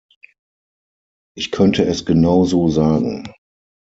Ich könnte es genauso sagen.